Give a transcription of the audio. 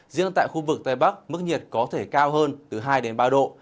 riêng tại khu vực tây bắc mức nhiệt có thể cao hơn từ hai đến ba độ